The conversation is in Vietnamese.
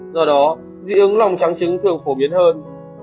do đó dị ứng lòng trắng trứng thường phổ biến hơn